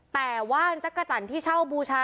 แต่ว่านจักรจันทร์ที่เช่าบูชา